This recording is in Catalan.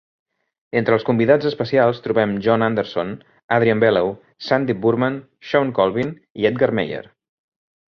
Entre els convidats especials trobem Jon Anderson, Adrian Belew, Sandip Burman, Shawn Colvin i Edgar Meyer.